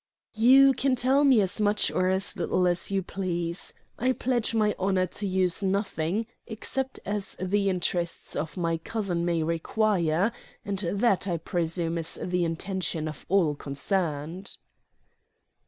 "You can tell me as much or as little as you please. I pledge my honor to use nothing, except as the interest of my cousin may require and that, I presume, is the intention of all concerned."